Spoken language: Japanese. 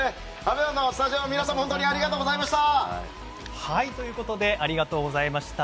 ＡＢＥＭＡのスタジオの皆さんも本当にありがとうございました。